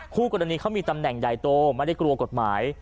คู่กรณีเขามีตำแหน่งใหญ่โตไม่ได้กลัวกฎหมาย